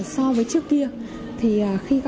so với trước kia